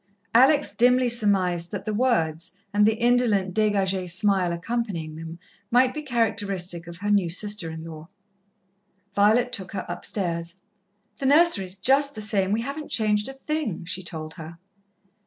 Alex dimly surmised that the words, and the indolent, dégagée smile accompanying them, might be characteristic of her new sister in law. Violet took her upstairs. "The nursery is just the same we haven't changed a thing," she told her.